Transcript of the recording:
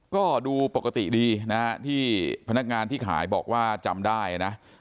ก็ดูปกติดีนะฮะที่พนักงานที่ขายบอกว่าจำได้นะ